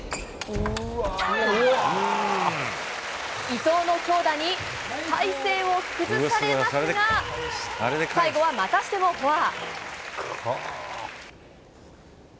伊藤の強打に体勢を崩されますが、最後はまたしてもフォア。